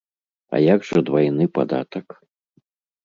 А як жа двайны падатак?